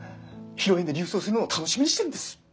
披露宴で琉装するのを楽しみにしてるんです。